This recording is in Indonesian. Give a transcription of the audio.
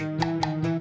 jangan terlalu banyak